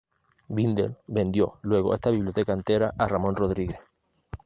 Vindel vendió luego esta biblioteca entera a Ramón Rodríguez.